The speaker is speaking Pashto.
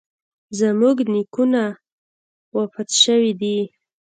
زموږ نیکونه فوت شوي دي